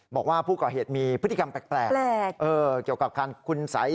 บอกว่าผู้ก่อเหตุมีพฤติกรรมแปลกเกี่ยวกับการคุณสัย